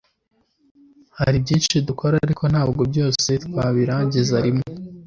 Hari byinshi dukora ariko ntabwo byose twabirangiriza rimwe